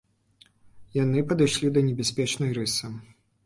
Яны падышлі да небяспечнай рысы.